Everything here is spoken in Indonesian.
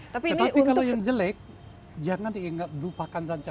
tapi kalau yang jelek jangan diingat lupakan saja